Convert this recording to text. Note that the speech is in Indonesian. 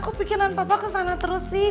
aku pikiran papa kesana terus sih